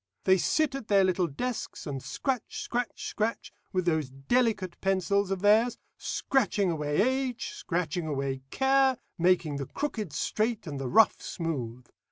They sit at their little desks, and scratch, scratch, scratch with those delicate pencils of theirs, scratching away age, scratching away care, making the crooked straight, and the rough smooth.